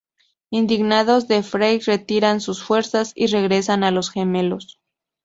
Indignados, los Frey retiran sus fuerzas y regresan a Los Gemelos.